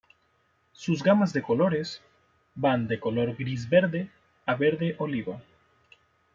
Sus gamas de colores van de color gris-verde a verde oliva.